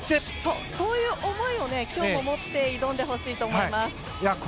そういう思いを今日も持って挑んでほしいと思います。